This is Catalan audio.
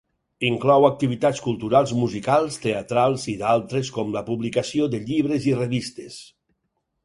Inclou activitats culturals musicals, teatrals i d'altres com la publicació de llibres i revistes.